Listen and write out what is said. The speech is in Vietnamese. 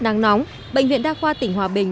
nắng nóng bệnh viện đa khoa tỉnh hòa bình